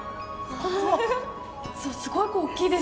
すごい大きいですね。